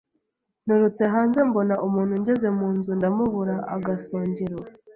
Nturutse hanze mbona umuntu ngeze mu nzu ndamuburaAgasongero